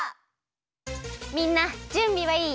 みんなじゅんびはいい？